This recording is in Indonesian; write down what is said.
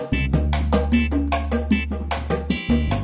sekarang aku tengah mulai r